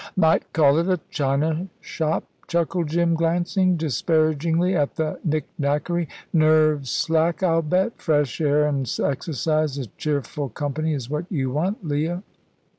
"Might call it a china shop," chuckled Jim, glancing disparagingly at the nicknackery. "Nerves slack, I'll bet. Fresh air an' exercise an' cheerful company is what you want, Leah."